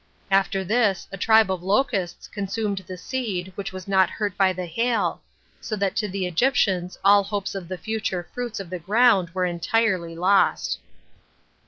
After this a tribe of locusts consumed the seed which was not hurt by the hail; so that to the Egyptians all hopes of the future fruits of the ground were entirely lost.